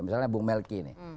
misalnya bu melky nih